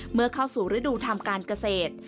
เมื่อเข้าสู่ฤดูทำการเกษตร